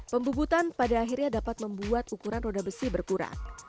pembubutan pada akhirnya dapat membuat ukuran roda besi berkurang